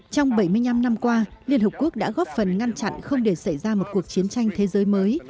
trong bảy mươi năm năm qua liên hợp quốc đã góp phần ngăn chặn không để xảy ra một cuộc chiến tranh thế giới mới